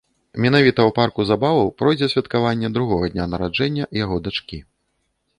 Менавіта ў парку забаваў пройдзе святкаванне другога дня нараджэння яго дачкі.